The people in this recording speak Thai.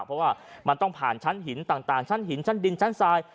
เพราะว่ามันต้องผ่านชั้นหินต่างชั้นหินชั้นดินชั้นทราย